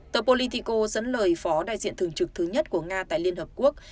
tờ politico dẫn lời phó đại diện thường trực thứ nhất của nga tại liên hợp quốc